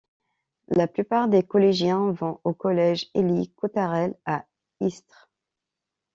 La plupart des collégiens vont au collège Elie Coutarel à Istres.